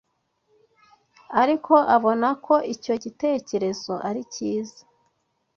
Ariko abona ko icyo gitekerezo ari cyiza